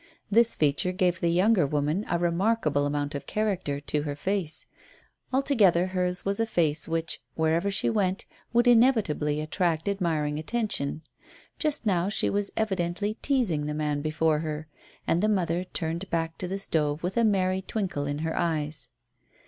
This feature gave the younger woman a remarkable amount of character to her face. Altogether hers was a face which, wherever she went, would inevitably attract admiring attention. Just now she was evidently teasing the man before her, and the mother turned back to the stove with a merry twinkle in her eyes.